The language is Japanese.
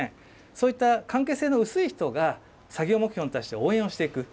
そういった関係性の薄い人が、作業目標に対して応援をしていく。